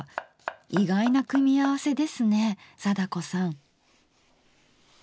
意外な組み合わせですね貞子さん？